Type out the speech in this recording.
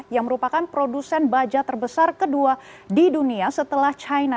yang merupakan produsen baja terbesar kedua di dunia setelah china